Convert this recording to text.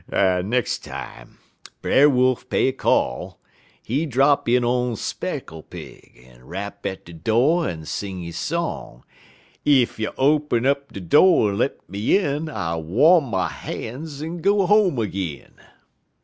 Nex' time Brer Wolf pay a call, he drop in on Speckle Pig, en rap at de do' en sing his song: "'_Ef you'll open de do' en let me in, I'll wom my han's en go home ag'in.